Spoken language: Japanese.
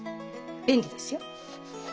便利ですよ。